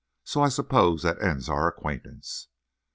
So I suppose that ends our acquaintance."